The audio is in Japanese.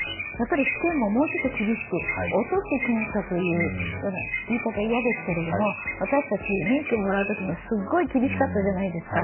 試験ももうちょっと厳しく落とす検査というような言い方は嫌ですけれども、私たち、免許をもらうとき、すごい厳しかったじゃないですか。